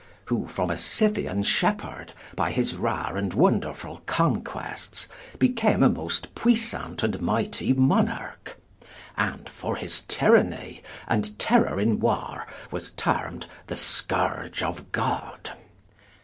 Who, from a Scythian Shephearde by his rare and woonderfull Conquests, became a most puissant and mightye Monarque. And (for his tyranny, and terrour in Warre) was tearmed, The Scourge of God.